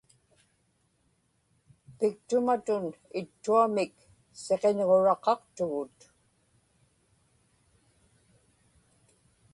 piktumatun ittuamik siqiñŋuraqaqtugut